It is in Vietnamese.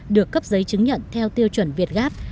được cấp giấy chứng nhận theo tiêu chuẩn việt gáp